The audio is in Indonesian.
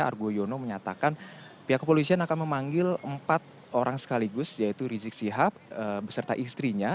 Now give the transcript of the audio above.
argo yono menyatakan pihak kepolisian akan memanggil empat orang sekaligus yaitu rizik sihab beserta istrinya